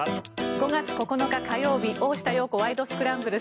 ５月９日、火曜日「大下容子ワイド！スクランブル」。